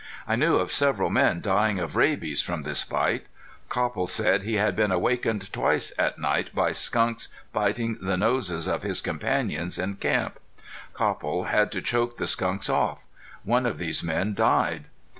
I knew of several men dying of rabies from this bite. Copple said he had been awakened twice at night by skunks biting the noses of his companions in camp. Copple had to choke the skunks off. One of these men died.